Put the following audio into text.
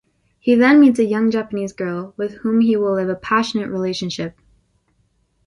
He then meets a young Japanese girl with whom he will live a passionate relationship.